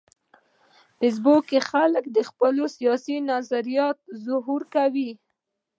په فېسبوک کې خلک د خپلو سیاسي نظریاتو اظهار کوي